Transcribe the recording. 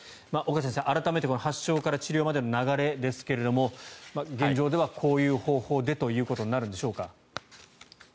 岡先生、改めて発症から治療の流れですが現状ではこういう方法でということになるんでしょうか。